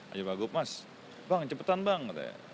aju dan pak guf mas bang cepetan bang